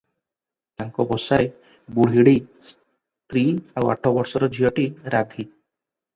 ତାଙ୍କ ବସାରେ ବୁଢୀଢ଼ୀ, ସ୍ତ୍ରୀ ଆଉ ଆଠ ବର୍ଷର ଝିଅଟି ରାଧୀ ।